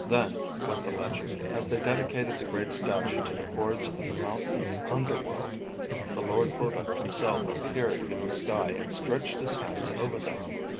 Then, went the legend, as they dedicated the great statue to the hordes of the mountain underworld, the Lord Buddha himself appeared in the sky and stretched his hands over them.